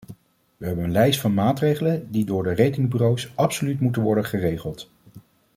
We hebben een lijst van maatregelen die door de ratingbureaus absoluut moeten worden geregeld.